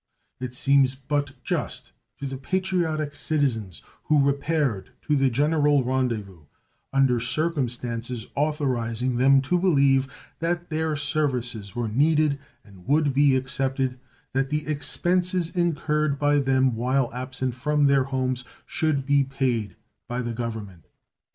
It seems but just to the patriotic citizens who repaired to the general rendezvous under circumstances authorizing them to believe that their services were needed and would be accepted that the expenses incurred by them while absent from their homes should be paid by the Government.